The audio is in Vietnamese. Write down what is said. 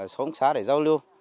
xóm xã để giao lưu